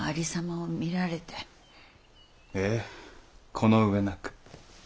ええこの上なく。